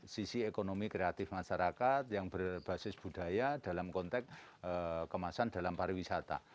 sisi ekonomi kreatif masyarakat yang berbasis budaya dalam konteks kemasan dalam pariwisata